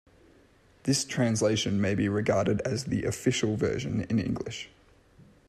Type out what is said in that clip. This translation may be regarded as the "official" version in English.